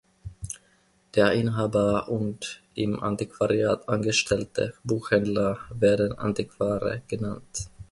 Der Inhaber und im Antiquariat angestellte Buchhändler werden Antiquare genannt.